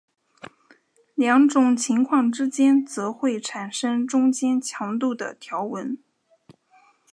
两种情况之间则会产生中间强度的条纹。